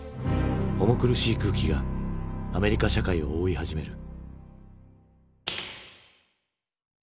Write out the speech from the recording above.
重苦しい空気がアメリカ社会を覆い始める。